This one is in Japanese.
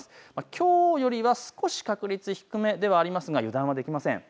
きょうよりは少し確率低めではありますが油断はできません。